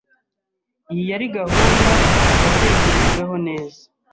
Iyi yari gahunda yatekerejwe neza.